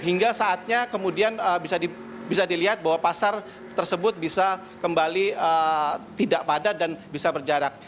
hingga saatnya kemudian bisa dilihat bahwa pasar tersebut bisa kembali tidak padat dan bisa berjarak